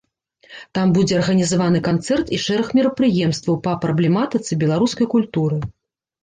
Там будзе арганізаваны канцэрт і шэраг мерапрыемстваў па праблематыцы беларускай культуры.